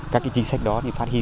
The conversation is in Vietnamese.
các chính sách đó phát hiện